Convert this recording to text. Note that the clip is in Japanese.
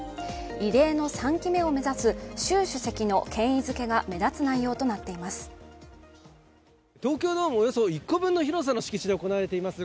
異例の３期目を目指す習主席の権威づけが目立つ内容となっています。